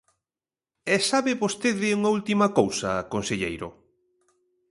¿E sabe vostede unha última cousa, conselleiro?